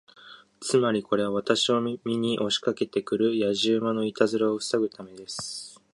つまり、これは私を見に押しかけて来るやじ馬のいたずらを防ぐためです。